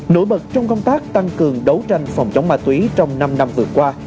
nổi bật trong công tác tăng cường đấu tranh phòng chống ma túy trong năm năm vừa qua